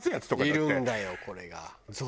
いるんだよこれが。